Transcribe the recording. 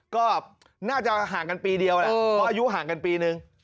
ก็น่าจะห่างกันปีเดียวแหละเพราะอายุห่างกันปีนึง